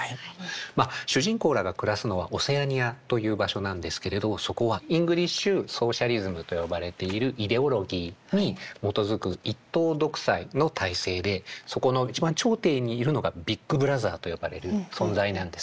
主人公らが暮らすのはオセアニアという場所なんですけれどそこはイングリッシュソーシャリズムと呼ばれているイデオロギーに基づく一党独裁の体制でそこの一番頂点にいるのがビッグブラザーと呼ばれる存在なんですね。